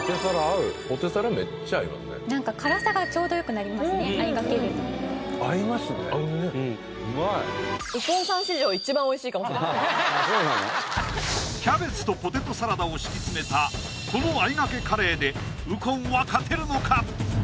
合うねキャベツとポテトサラダを敷き詰めたこのあいがけカレーで右近は勝てるのか？